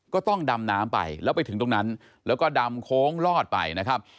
ก็ต้องดำน้ำไปแล้วไปถึงตรงนั้นแล้วก็ดำโค้งลอดไปนะครับ